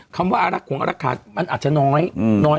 คำว่าอลักขุมอลักขาดมันอาจจะน้อย